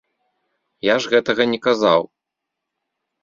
Я ж гэтага не казаў.